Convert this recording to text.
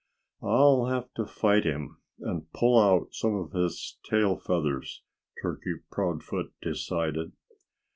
"I'll have to fight him and pull out some of his tail feathers," Turkey Proudfoot decided.